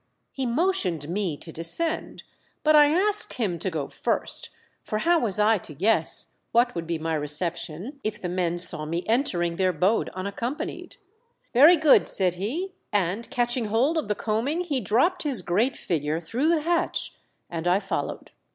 He motioned me to descend, but I asked him to go first, for how was I to guess what would be my reception if the men saw me entering their abode unaccompanied? "Very good," said he, and catching hold of the coaming he dropped his great figure through the hatch, and I followed.